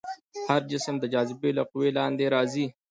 هر جسم د جاذبې له قوې لاندې راځي.